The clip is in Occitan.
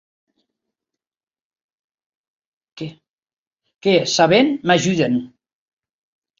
Qu’es sabents m’ajuden.